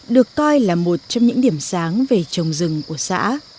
được coi là một trong những điểm sáng về trồng rừng của xã